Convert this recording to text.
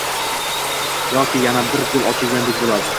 yoki yana bir gul ochilgandek bo‘ladi.